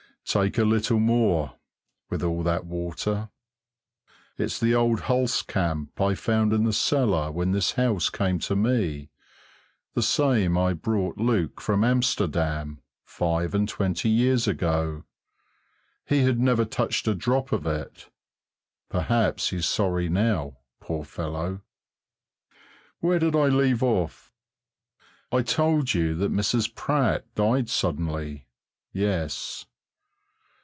Take a little more, with all that water. It's the old Hulstkamp I found in the cellar when this house came to me, the same I brought Luke from Amsterdam five and twenty years ago. He had never touched a drop of it. Perhaps he's sorry now, poor fellow. Where did I leave off? I told you that Mrs. Pratt died suddenly yes.